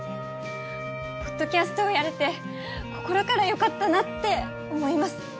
ポッドキャストをやれて心からよかったなって思います。